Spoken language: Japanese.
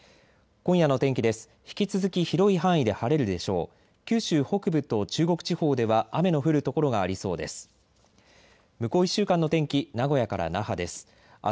今夜の天気です。